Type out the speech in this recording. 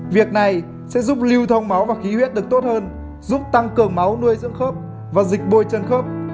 việc này sẽ giúp lưu thông máu và khí huyết được tốt hơn giúp tăng cường máu nuôi dưỡng khớp và dịch bôi chân khớp